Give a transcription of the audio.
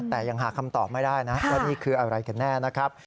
แต่ยังหาคำตอบไม่ได้นะว่านี่คืออะไรกันแน่นะครับ